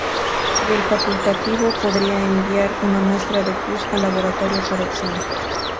Y el facultativo podría enviar una muestra del pus al laboratorio para examen.